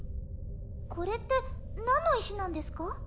これって何の石なんですか？